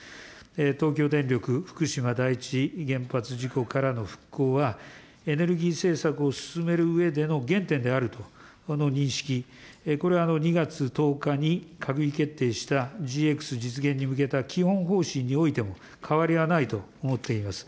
東京電力福島第一原発事故からの復興は、エネルギー政策を進めるうえでの原点であるとの認識、これは２月１０日に閣議決定したＧＸ実現に向けた基本方針においても、変わりはないと思っています。